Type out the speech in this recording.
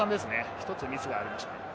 １つミスがありました。